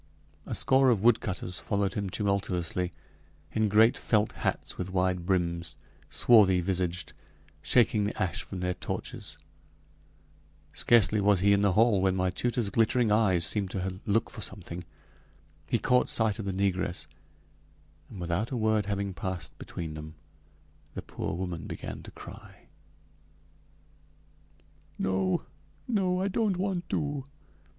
A score of woodcutters followed him tumultuously, in great felt hats with wide brims swarthy visaged shaking the ash from their torches. Scarcely was he in the hall when my tutor's glittering eyes seemed to look for something. He caught sight of the negress, and without a word having passed between them, the poor woman began to cry: "No! no! I don't want to!"